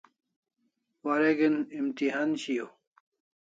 Wareg'in imtihan shiau